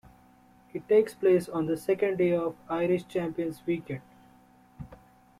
It takes place on the second day of Irish Champions Weekend.